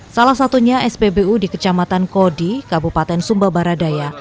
salah satunya spbu di kecamatan kodi kabupaten sumba baradaya